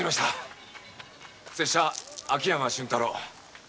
拙者秋山俊太郎。